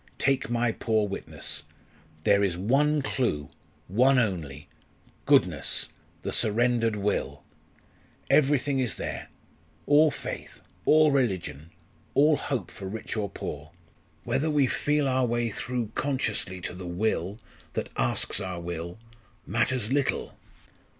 Take my poor witness. There is one clue, one only goodness the surrendered will. Everything is there all faith all religion all hope for rich or poor. Whether we feel our way through consciously to the Will that asks our will matters little.